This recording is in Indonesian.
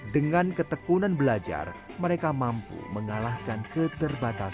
dengan ketekunan belajar mereka mampu mengalahkan keterbatasan